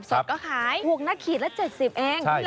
สดก็ขายพวกนักขีดละ๗๐แอ้งราคาห่อนหนึ่งแล้วนะใช่